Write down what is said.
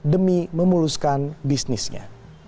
demi memuluskan bisnisnya